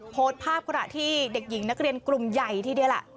โพสต์ภาพขณะที่เด็กหญิงนักเรียนกลุ่มใหญ่ทีเดียวล่ะ